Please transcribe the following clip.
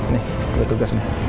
nih udah tugas nih